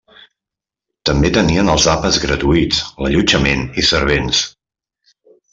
També tenien els àpats gratuïts, l'allotjament i servents.